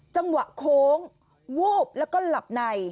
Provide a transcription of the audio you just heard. จังหวะโค้งวูบแล้วก็หลับใน